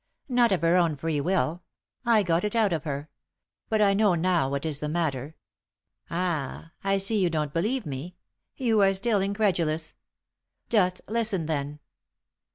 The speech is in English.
"Not of her own free will. I got it out of her. But I know now what is the matter. Ah, I see you don't believe me; you are still incredulous. Just listen, then.